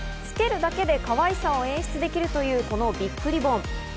つけるだけで可愛さを演出できるというこのビッグリボン。